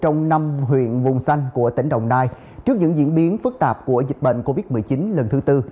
trong năm huyện vùng xanh của tỉnh đồng nai trước những diễn biến phức tạp của dịch bệnh covid một mươi chín lần thứ tư